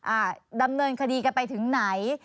อ่าดำเนินคดีกันไปถึงไหน